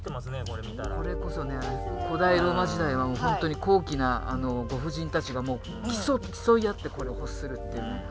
これこそね古代ローマ時代はもうほんとに高貴なご婦人たちがもう競い合ってこれを欲するっていうね。